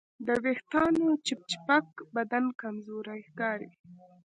د وېښتیانو چپچپک بدن کمزوری ښکاري.